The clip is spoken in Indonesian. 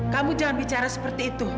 kamu jangan bicara seperti itu